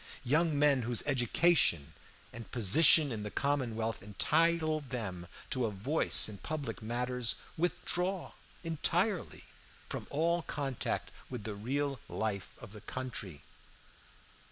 Young men whose education and position in the commonwealth entitle them to a voice in public matters withdraw entirely from all contact with the real life of the country.